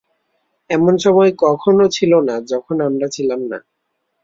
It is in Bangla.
এমন সময় কখনও ছিল না, যখন আমরা ছিলাম না।